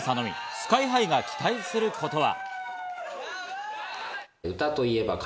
ＳＫＹ−ＨＩが期待することは。